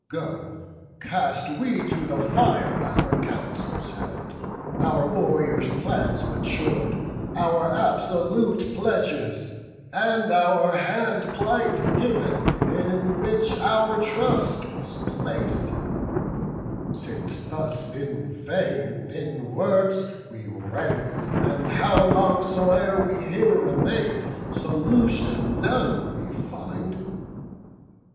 Go, cast we to the fire Our councils held, our warriors' plans matur'd, Our absolute pledges, and our hand plight giv'n, In which our trust was placed; since thus in vain In words we wrangle, and how long soe'er We here remain, solution none we find.